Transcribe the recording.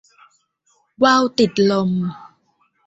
ว่าวติดลม